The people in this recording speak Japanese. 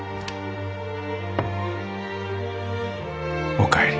お帰り。